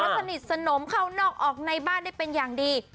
สนิทสนมเข้านอกออกในบ้านได้เป็นอย่างดี